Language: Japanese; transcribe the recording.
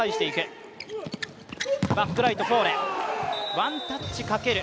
ワンタッチかける